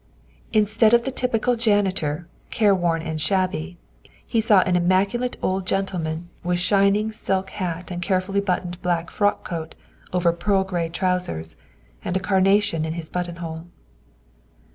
Instead of the typical janitor, careworn and shabby, he saw an immac ulate old gentleman with shining silk hat and carefully buttoned black frock coat over pearl gray trousers, and a carnation in his buttonhole.